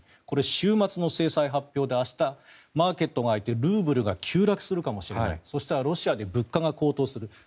これ、週末の制裁発表で明日マーケットでルーブルが急落するかもしれないロシアで物価が高騰する。